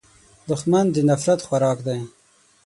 دښمن د نفرت خوراک دی